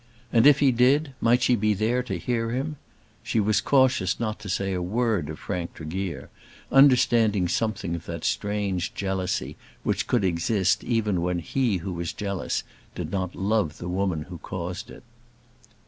And if he did, might she be there to hear him? She was cautious not to say a word of Frank Tregear, understanding something of that strange jealousy which could exist even when he who was jealous did not love the woman who caused it.